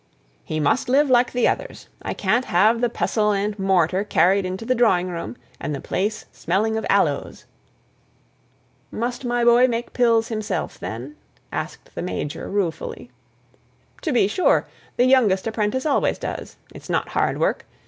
"He must live like the others. I can't have the pestle and mortar carried into the drawing room, and the place smelling of aloes." "Must my boy make pills himself, then?" asked the major, ruefully. "To be sure. The youngest apprentice always does. It's not hard work.